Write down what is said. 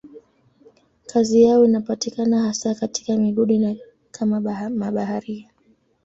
Kazi yao inapatikana hasa katika migodi na kama mabaharia.